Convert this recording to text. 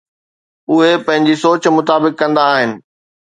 اهي پنهنجي سوچ مطابق ڪندا آهن.